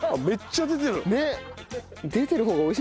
めっちゃ出てる！ねえ。